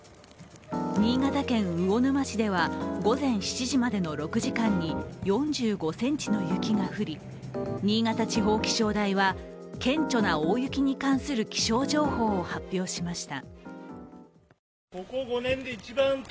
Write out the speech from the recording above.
新潟県魚沼市では午前７時までの６時間に４５ｃｍの雪が降り、新潟地方気象台は顕著な大雪に関する気象情報を発表しました。